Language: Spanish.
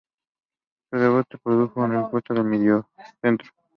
Su debut se produjo en el puesto de mediocentro.